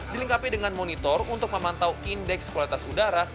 dilengkapi dengan monitor untuk memantau indeks kualitas udara